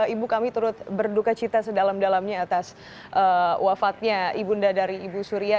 ibu kami turut berduka cita sedalam dalamnya atas wafatnya ibunda dari ibu surya